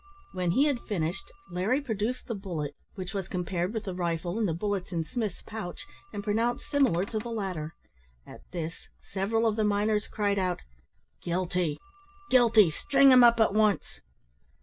When he had finished, Larry produced the bullet, which was compared with the rifle and the bullets in Smith's pouch, and pronounced similar to the latter. At this, several of the miners cried out, "Guilty, guilty; string him up at once!"